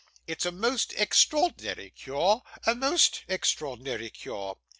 It's a most extraordinary cure a most extraordinary cure.